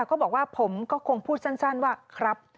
ก็บอกว่าผมก็คงพูดสั้นว่าครับ